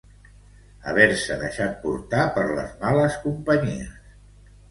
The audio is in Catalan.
Haver-se deixat portar per les males companyies